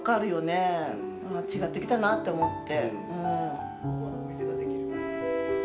違ってきたなって思って。